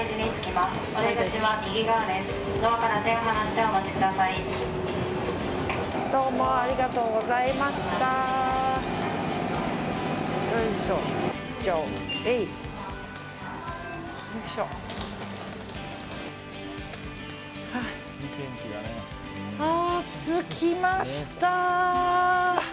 着きました！